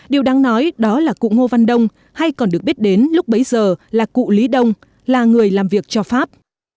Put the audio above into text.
điều đáng nói đó là cụ ngô văn đông hay còn được biết đến lúc bấy giờ là cụ lý đông là người làm việc cho pháp